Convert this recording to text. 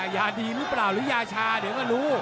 ยาดีหรือเปล่าหรือยาชาเดี๋ยวก็รู้